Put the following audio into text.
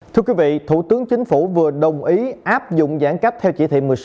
thưa quý vị thủ tướng chính phủ vừa đồng ý áp dụng giãn cách theo chỉ thị một mươi sáu